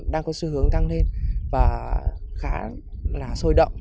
đang có xu hướng tăng lên và khá là sôi động